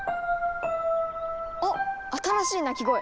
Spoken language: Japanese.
あっ新しい鳴き声。